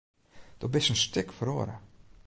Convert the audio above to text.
Do bist in stik feroare.